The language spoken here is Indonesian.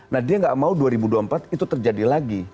nah dia gak mau dua ribu dua puluh empat itu terjadi lagi